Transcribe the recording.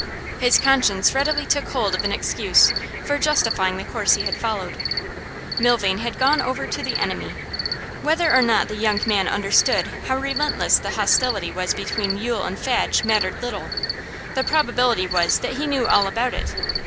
His conscience readily took hold of an excuse for justifying the course he had followed. Milvain had gone over to the enemy. Whether or not the young man understood how relentless the hostility was between Yule and Fadge mattered little; the probability was that he knew all about it.